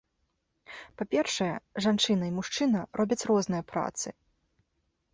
Па-першае, жанчына і мужчына робяць розныя працы.